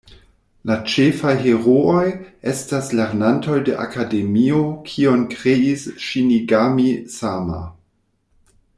La ĉefaj herooj estas lernantoj de Akademio, kiun kreis Ŝinigami-sama.